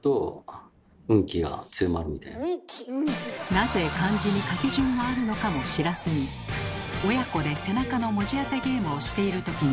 なぜ漢字に書き順があるのかも知らずに親子で背中の文字当てゲームをしているときに。